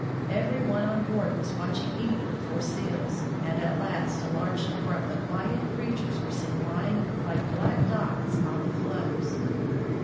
Every one on board was watching eagerly for seals, and at last a large number of the quiet creatures were seen lying like black dots on the floes.